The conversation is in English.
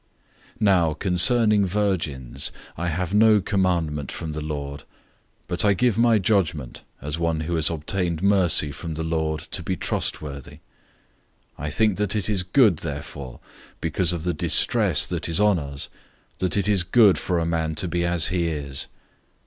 007:025 Now concerning virgins, I have no commandment from the Lord, but I give my judgment as one who has obtained mercy from the Lord to be trustworthy. 007:026 I think that it is good therefore, because of the distress that is on us, that it is good for a man to be as he is.